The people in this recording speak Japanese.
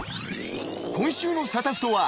［今週の『サタフト』は］